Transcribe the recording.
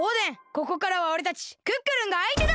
ここからはおれたちクックルンがあいてだ！